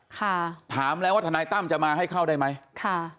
ค่ะถามแล้วว่าทนายตั้มจะมาให้เข้าได้ไหมค่ะ